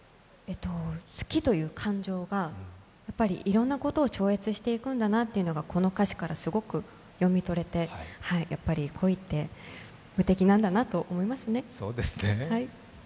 好きという感情がいろんなことを超越していくんだなというのがこの歌詞からすごく読み取れて、やっぱり恋って無敵なんだなと思いますね。